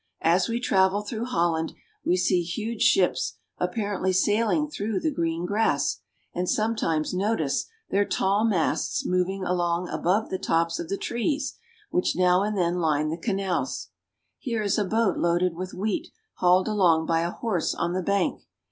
As we travel through Holland we see huge ships "i •: apparently sailing £5S ? 4 through the green grass, and some times notice their tall masts moving along above the tops of the trees which now and then line the canals. Here is a boat loaded with wheat hauled along by a horse on the bank.